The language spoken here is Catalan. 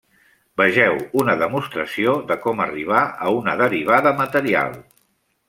Vegeu una demostració de com arribar a una derivada material.